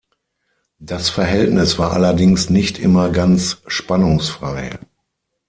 Das Verhältnis war allerdings nicht immer ganz spannungsfrei.